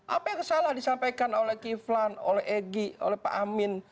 apa yang salah disampaikan oleh kiflan oleh egy oleh pak amin